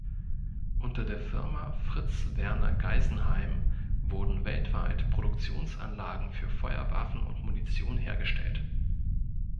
Unter der Firma "Fritz Werner", Geisenheim wurden weltweit Produktionsanlagen für Feuerwaffen und Munition hergestellt.